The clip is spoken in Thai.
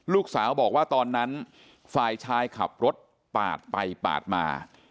ลูกสาวบอกว่าตอนนั้นฝ่ายชายขับรถปาดไปปาดมา